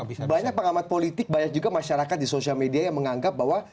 banyak pengamat politik banyak juga masyarakat di sosial media yang menganggap bahwa